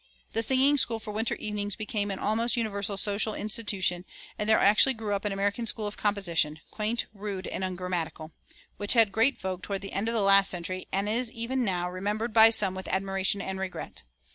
The singing school for winter evenings became an almost universal social institution; and there actually grew up an American school of composition, quaint, rude, and ungrammatical, which had great vogue toward the end of the last century, and is even now remembered by some with admiration and regret.